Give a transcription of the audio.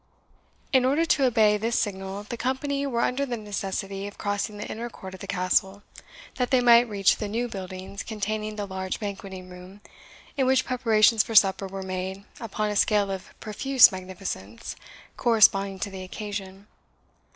In order to obey this signal, the company were under the necessity of crossing the inner court of the Castle, that they might reach the new buildings containing the large banqueting room, in which preparations for supper were made upon a scale of profuse magnificence, corresponding to the occasion.